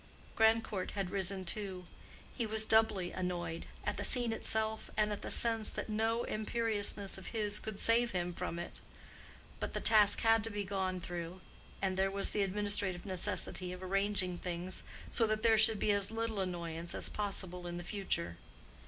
Grandcourt had risen too. He was doubly annoyed—at the scene itself, and at the sense that no imperiousness of his could save him from it; but the task had to be gone through, and there was the administrative necessity of arranging things so that there should be as little annoyance as possible in the future.